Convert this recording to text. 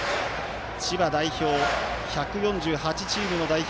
千葉代表、１４８チームの代表